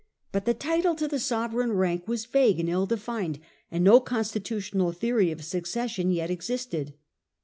But the title to the sovereign rank was vague and ill defined, and no constitutional theory of succession yet existed.